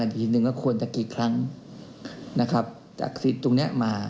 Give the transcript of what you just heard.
ก็ควรจะกี่ครั้งจากตรงนี้มา